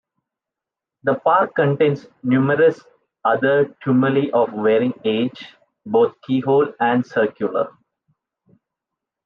The park contains numerous other tumuli of varying age, both keyhole and circular.